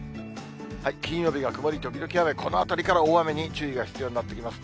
金曜日が曇り時々雨、このあたりから大雨に注意が必要になってきます。